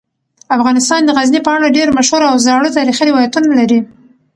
افغانستان د غزني په اړه ډیر مشهور او زاړه تاریخی روایتونه لري.